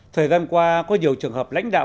thời gian qua có nhiều trường hợp lãnh đạo